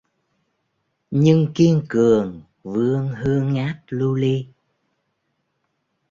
Nhưng kiên cường vươn hương ngát lưu ly